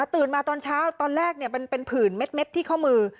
ตื่นมาตอนเช้าตอนแรกเป็นผื่นเม็ดที่ข้อมือ